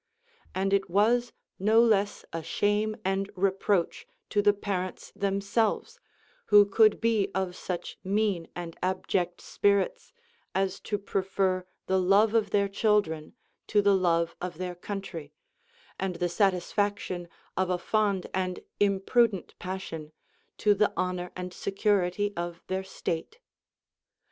And it was no 94: THE ACCOUNT OF THE LAWS AND less a shame and reproach to the parents themselves, who could be of such mean and abject spirits as to prefer the love of their children to the love of their country, and the satisfaction of a fond and imprudent passion to the honor and security of their state.